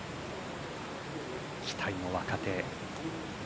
期待の若手。